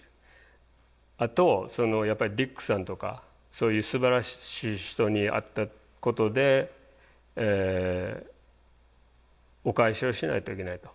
あとやっぱりディックさんとかそういうすばらしい人に会ったことでお返しをしないといけないと。